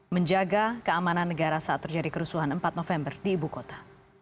menjaga keamanan negara saat terjadi kerusuhan empat november di ibu kota